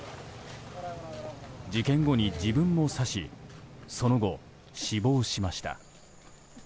事件後に自分も刺しその後、死亡しました。